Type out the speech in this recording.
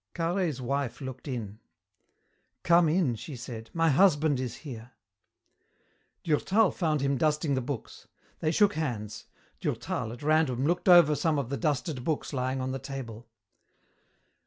Carhaix's wife looked in. "Come in," she said. "My husband is here." Durtal found him dusting the books. They shook hands. Durtal, at random, looked over some of the dusted books lying on the table.